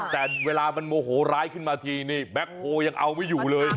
แต่เวลามันโมโหร้ายขึ้นมาทีนี่แบ็คโฮยังเอาไม่อยู่เลย